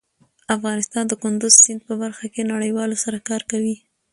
افغانستان د کندز سیند په برخه کې نړیوالو سره کار کوي.